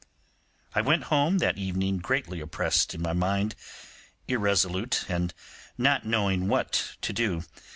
I went home that evening greatly oppressed in my mind, irresolute, and not knowing what to do.